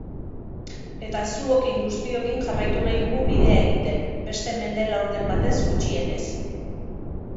Eta zuokin guztiokin jarraitu nahi dugu bidea egiten, beste mende laurden batez gutxienez.